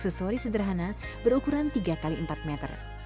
sanggar terletak ruang aksesori sederhana berukuran tiga x empat meter